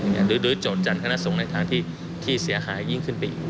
หรือโจทย์คณะสงฆ์ในทางที่เสียหายยิ่งขึ้นไปอีก